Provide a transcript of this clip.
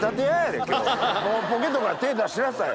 ポケットから手出しなさい！